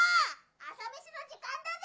・朝飯の時間だぜ！